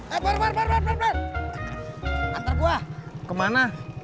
eh baru baru antar gua kemana